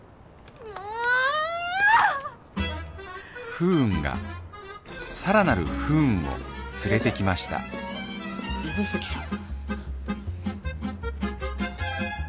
不運がさらなる不運を連れてきました指宿さん。